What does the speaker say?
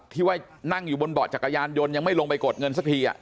ที่ว่านั่งอยู่บนเบาะจักรยานยนต์ยังไม่ลงไปกดเงินสักที